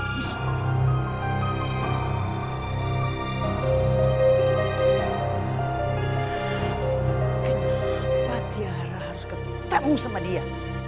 ibu tiara harus ketemu sama dia